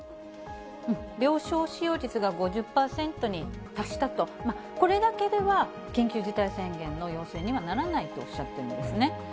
病床使用率が５０％に達したと、これだけでは、緊急事態宣言の要請にはならないとおっしゃってるんですね。